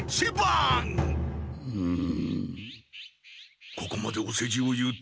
うん？